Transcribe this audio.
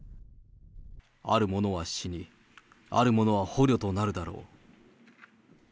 ある者は死に、ある者は捕虜となるだろう。